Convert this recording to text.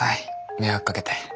迷惑かけて。